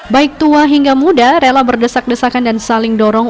baik tua hingga muda rela berdesak desakan dan saling dorong